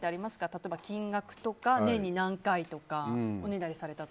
例えば金額とか年に何回とか。